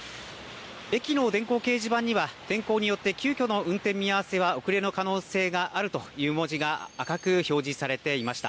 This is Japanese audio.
駅の電光掲示板には、天候によって急きょの運転見合わせや遅れの可能性があるという文字が赤く表示されていました。